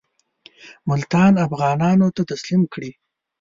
ملتان افغانانو ته تسلیم کړي.